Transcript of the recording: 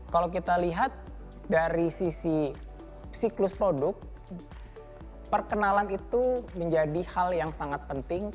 kalau kita lihat dari sisi siklus produk perkenalan itu menjadi hal yang sangat penting